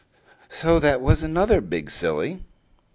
So that was another big silly.